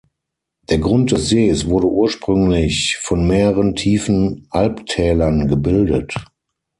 Der Grund des Sees wurde ursprünglich von mehreren tiefen Alptälern gebildet.